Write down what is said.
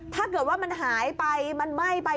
ถ้าเกิดว่ามันหายไปมันไหม้ไป